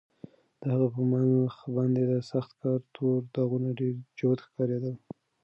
د هغه په مخ باندې د سخت کار تور داغونه ډېر جوت ښکارېدل.